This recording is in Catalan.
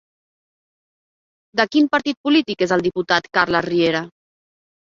De quin partit polític és el diputat Carles Riera?